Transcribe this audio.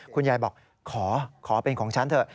คุณยายบอกขอเป็นของฉันเถอะ